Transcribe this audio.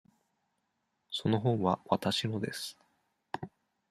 その本はわたしのです。